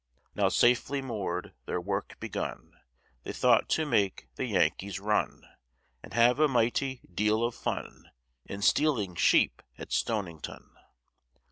Now safely moor'd, their work begun; They thought to make the Yankees run, And have a mighty deal of fun In stealing sheep at Stonington.